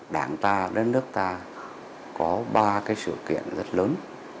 đảng ta đất nước ta có ba cái sự kiện rất lớn